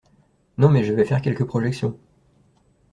Non, mais je vais faire quelques projections.